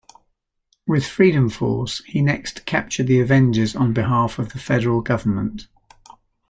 With Freedom Force, he next captured the Avengers on behalf of the federal government.